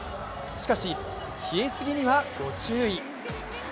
しかし、冷えすぎにはご注意。